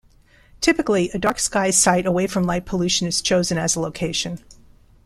Typically a dark sky site away from light pollution is chosen as a location.